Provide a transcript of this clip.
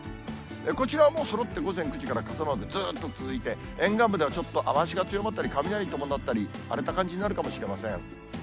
こちらもそろって午前９時から傘マークずっと続いて、沿岸部では、ちょっと雨足が強まったり、雷を伴ったり、荒れた感じになるかもしれません。